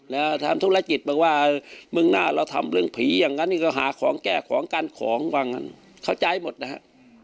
แล้วทำธุรกิจบอกว่ามึงหน้าเราทำเรื่องผีอย่างนั้นนี่ก็หาของแก้ของกั้นของว่างั้นเข้าใจหมดนะฮะ